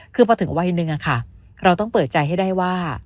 คือพอถึงวัยหนึ่งเราต้องเปิดใจให้ได้ว่า